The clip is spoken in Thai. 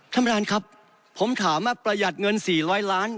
ทำลานครับผมถามประหยัดเงินสี่ร้อยล้าน